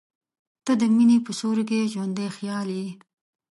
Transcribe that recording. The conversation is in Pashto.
• ته د مینې په سیوري کې ژوندی خیال یې.